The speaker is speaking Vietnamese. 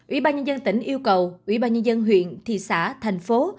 ủy ban nhân dân tỉnh yêu cầu ủy ban nhân dân huyện thị xã thành phố